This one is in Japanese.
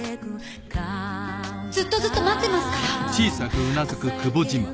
ずっとずっと待ってますから。